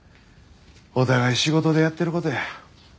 お互い仕事でやってる事や。